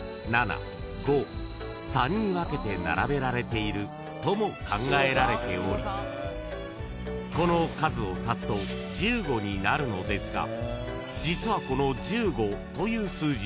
［に分けて並べられているとも考えられておりこの数を足すと十五になるのですが実はこの十五という数字